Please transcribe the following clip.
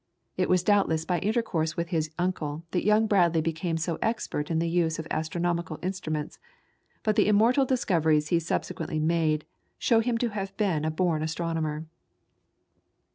It was doubtless by intercourse with his uncle that young Bradley became so expert in the use of astronomical instruments, but the immortal discoveries he subsequently made show him to have been a born astronomer.